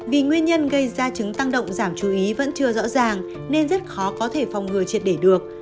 vì nguyên nhân gây ra chứng tăng động giảm chú ý vẫn chưa rõ ràng nên rất khó có thể phòng ngừa triệt để được